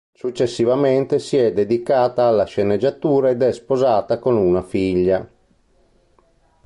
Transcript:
Successivamente si è dedicata alla sceneggiatura, ed è sposata con una figlia.